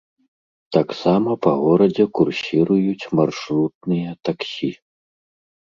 Таксама па горадзе курсіруюць маршрутныя таксі.